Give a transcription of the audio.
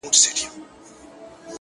چي ديـدنونه پــــه واوښـتل-